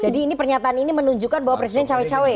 jadi ini pernyataan ini menunjukkan bahwa presiden cewek cewek